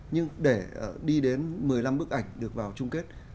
nhưng để đi đến một mươi năm bức ảnh được vào chung kết